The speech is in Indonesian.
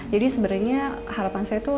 jadi sebenarnya harapan saya tuh